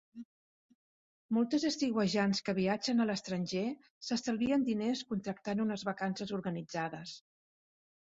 Moltes estiuejants que viatgen a l'estranger s'estalvien diners contractant unes vacances organitzades.